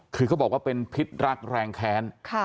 คือเขาบอกว่าเป็นพิษรักแรงแค้น